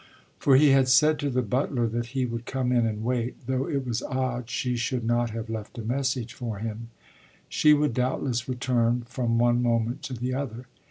For he had said to the butler that he would come in and wait though it was odd she should not have left a message for him: she would doubtless return from one moment to the other.